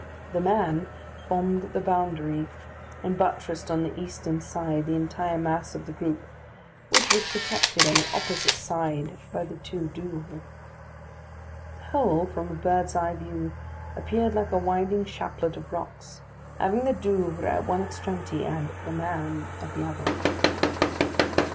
"The Man" formed the boundary, and buttressed on the eastern side the entire mass of the group, which was protected on the opposite side by the two Douvres. The whole, from a bird's eye view, appeared like a winding chaplet of rocks, having the Douvres at one extremity and "The Man" at the other.